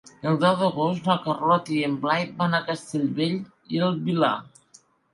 El deu d'agost na Carlota i en Blai van a Castellbell i el Vilar.